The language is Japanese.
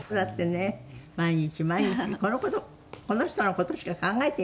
毎日毎日この事この人の事しか考えていなかったでしょ？